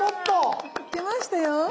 来ましたよ。